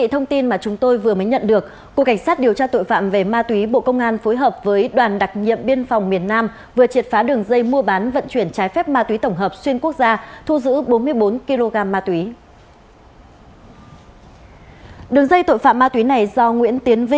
hãy đăng ký kênh để ủng hộ kênh của chúng mình nhé